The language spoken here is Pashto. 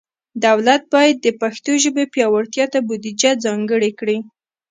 دولت باید د پښتو ژبې پیاوړتیا ته بودیجه ځانګړي کړي.